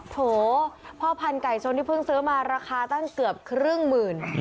โถพ่อพันธุไก่ชนที่เพิ่งซื้อมาราคาตั้งเกือบครึ่งหมื่น